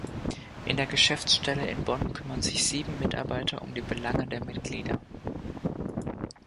In der Geschäftsstelle in Bonn kümmern sich sieben Mitarbeiter um die Belange der Mitglieder.